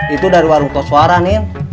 itu dari warung tos suara nien